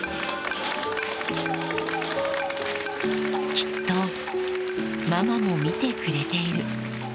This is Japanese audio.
「きっとママも見てくれている」